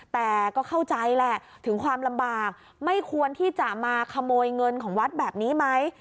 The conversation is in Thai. แต่ก็เข้าใจแหละถึงความลำบากไม่ควรที่จะมาขโมยเงินของวัดแบบนี้ไหม